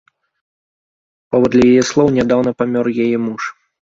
Паводле яе слоў, нядаўна памёр яе муж.